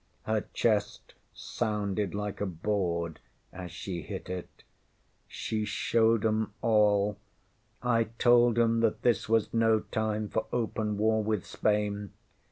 ŌĆÖ Her chest sounded like a board as she hit it. ŌĆśShe showed ŌĆśem all. I told ŌĆśem that this was no time for open war with Spain.